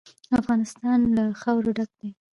افغانستان له خاوره ډک دی.